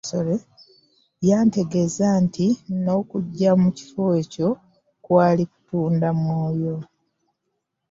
Yantegeeza nti n'okujja mu kifo ekyo kwali kutunda mwoyo.